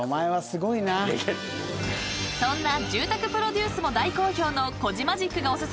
［そんな住宅プロデュースも大好評の］